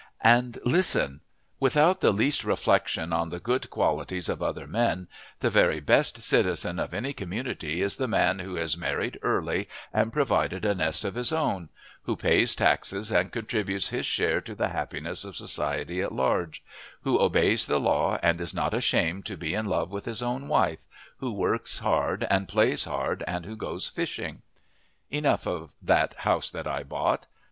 And listen: Without the least reflection on the good qualities of other men, the very best citizen of any community is the man who has married early and provided a nest of his own who pays taxes and contributes his share to the happiness of society at large who obeys the law and is not ashamed to be in love with his own wife who works hard and plays hard, and who goes fishing. Enough of That House I Bought.